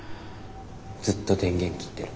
ずっと電源切ってる。